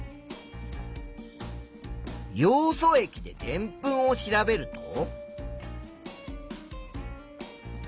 ヨウ素液ででんぷんを調べると。